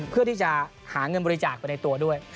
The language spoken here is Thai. เพื่อที่จะหาเงินบริจาคไปในตัวด้วย